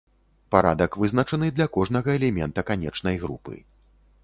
Парадак вызначаны для кожнага элемента канечнай групы.